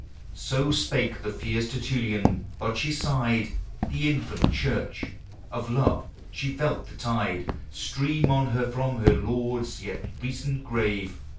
So spake the fierce Tertullian. But she sighed, The infant Church! of love she felt the tide Stream on her from her Lord's yet recent grave.